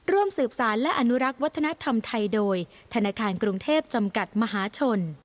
ร่วมสืบสารและอนุรักษ์วัฒนธรรมไทยโดยธนาคารกรุงเทพจำกัดมหาชน